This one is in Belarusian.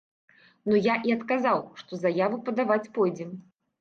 Ну я і адказаў, што заяву падаваць пойдзем.